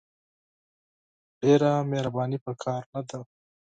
ډېره مهرباني په کار نه ده !